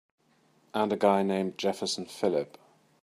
And a guy named Jefferson Phillip.